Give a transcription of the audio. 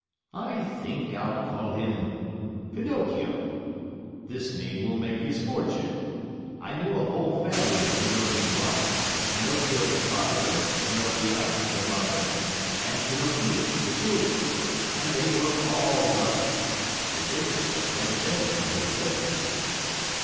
"I think I'll call him PINOCCHIO. This name will make his fortune. I knew a whole family of Pinocchi once Pinocchio the father, Pinocchia the mother, and Pinocchi the children and they were all lucky. The richest of them begged for his living."